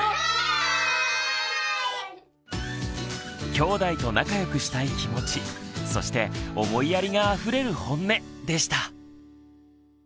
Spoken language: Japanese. きょうだいと仲良くしたい気持ちそして思いやりがあふれるホンネでした。